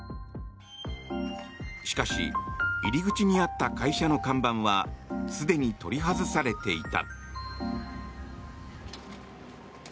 しかし入り口にあった会社の看板はすでに取り外されていた。